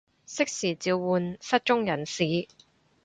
適時召喚失蹤人士